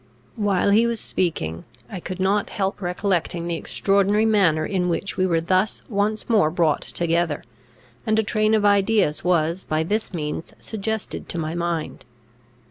While he was speaking, I could not help recollecting the extraordinary manner in which we were thus once more brought together, and a train of ideas was by this means suggested to my mind.